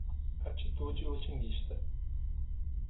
Atitude otimista